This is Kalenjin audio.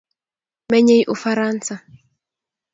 Menyei ufaransa